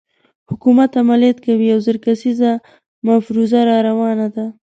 حکومت عملیات کوي او زر کسیزه مفروزه راروانه ده.